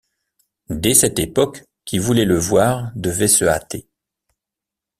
Dès cette époque, qui voulait le voir devait se hâter.